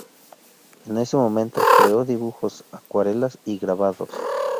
En ese momento, creó dibujos, acuarelas y grabados.